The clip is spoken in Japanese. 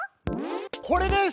これです！